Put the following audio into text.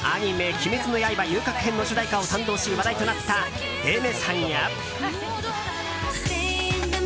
「“鬼滅の刃”遊郭編」の主題歌を担当し話題となったＡｉｍｅｒさんや。